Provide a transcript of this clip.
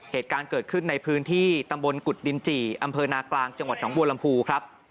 เหตุการณ์เกิดขึ้นในพื้นที่ตำบลกุฎดินจิอำเภอนากลางจังหวัดหนองบัวลำพูครับ